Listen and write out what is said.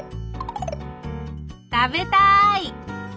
食べたい！